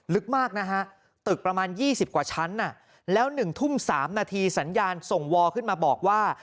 ลึกมากนะฮะตึกประมาณ๒๐กว่าชั้นแล้ว๑ทุ่ม๓นาทีสัญญาณส่งวอลขึ้นมาบอกว่า